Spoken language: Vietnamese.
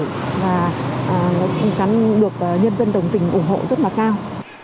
và được nhân dân đồng tình ủng hộ rất là cao